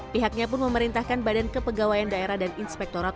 pihaknya pun memerintahkan badan kepegawaian daerah dan inspektorat